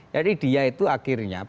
jadi dia itu akhirnya